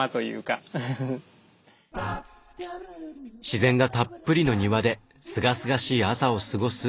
自然がたっぷりの庭ですがすがしい朝を過ごす